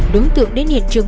đối tượng đến hiện trường